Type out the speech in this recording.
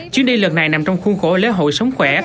chuyến đi lần này nằm trong khuôn khổ lễ hội sống khỏe